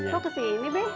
kok kesini be